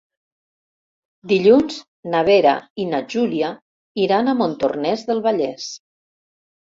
Dilluns na Vera i na Júlia iran a Montornès del Vallès.